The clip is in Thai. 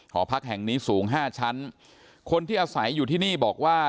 หอพักแห่งนี้สูงห้าชั้นคนที่อาศัยอยู่ที่นี่บอกว่า